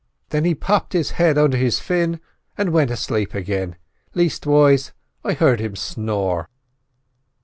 Thin he popped his head under his fin and went aslape agin; leastwise, I heard him snore."